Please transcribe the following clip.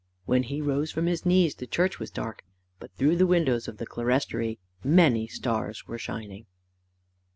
When he rose from his knees, the church was dark, but through the windows of the clerestory many stars were shining.